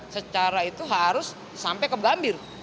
secara itu harus sampai ke gambir